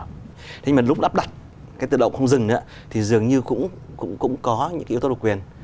thế mà lúc lắp đặt cái tự động không dừng thì dường như cũng có những yếu tố độc quyền